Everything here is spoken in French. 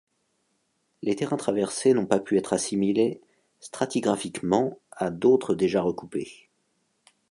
Les terrains traversés n'ont pas pu être assimilés stratigraphiquement à d'autres déjà recoupés.